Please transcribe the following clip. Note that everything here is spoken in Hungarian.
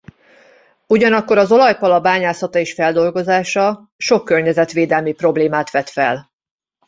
Ugyanakkor az olajpala bányászata és feldolgozása sok környezetvédelmi problémát vet fel.